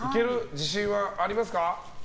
自信はありますか？